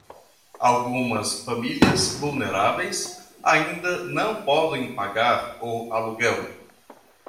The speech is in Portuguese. Algumas famílias vulneráveis ainda não podem pagar o aluguel